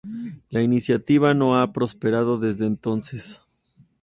La iniciativa no ha prosperado desde entonces.